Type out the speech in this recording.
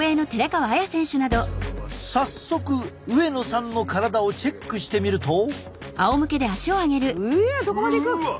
早速上野さんの体をチェックしてみると。